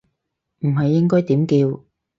唔係應該點叫